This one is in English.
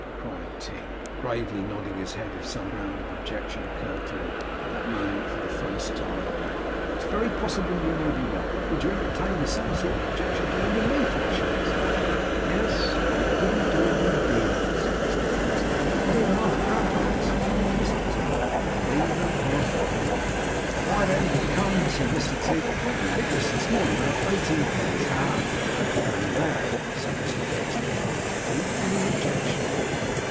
cried Tigg, gravely nodding his head as if some ground of objection occurred to him at that moment for the first time, 'it's very possible you may be right. Would you entertain the same sort of objection to lending me five shillings now?' 'Yes, I couldn't do it, indeed,' said Mr Pecksniff. 'Not even half a crown, perhaps?' urged Mr Tigg. 'Not even half a crown.' 'Why, then we come,' said Mr Tigg, 'to the ridiculously small amount of eighteen pence. Ha! ha!' 'And that,' said Mr Pecksniff, 'would be equally objectionable.